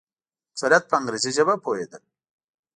اکثریت په انګریزي ژبه پوهېدل.